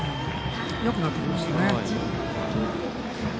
よくなってきましたね。